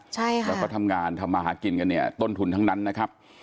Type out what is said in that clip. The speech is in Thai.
ใช่ค่ะแล้วก็ทำงานทำมาหากินกันเนี่ยต้นทุนทั้งนั้นนะครับ